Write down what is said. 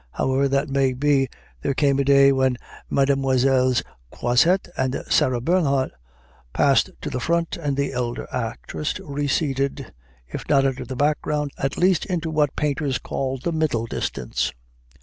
However that may be, there came a day when Mesdemoiselles Croizette and Sarah Bernhardt passed to the front and the elder actress receded, if not into the background, at least into what painters call the middle distance.